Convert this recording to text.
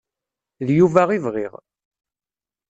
D Yuba i bɣiɣ.